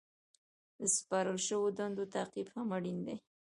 د سپارل شوو دندو تعقیب هم اړین دی.